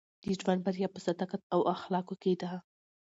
د ژوند بریا په صداقت او اخلاقو کښي ده.